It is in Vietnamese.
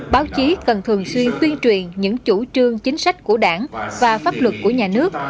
báo chí cần thường xuyên tuyên truyền những chủ trương chính sách của đảng và pháp luật của nhà nước